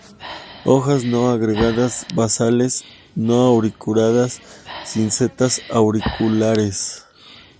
Hojas no agregadas basales; no auriculadas; sin setas auriculares.